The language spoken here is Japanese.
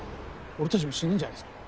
俺たちも死ぬんじゃないですか。